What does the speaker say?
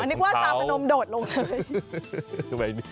นึกว่าจาพนมโดดลงเลย